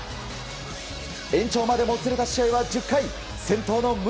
延長までもつれた試合は１０回先頭の宗。